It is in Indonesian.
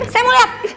saya mau liat